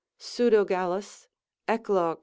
Pseudo Gallus, Eclog.